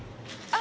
あ！